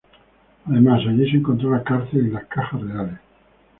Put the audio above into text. Además allí se encontró la cárcel y las Cajas Reales.